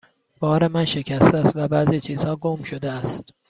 بار من شکسته است و بعضی چیزها گم شده است.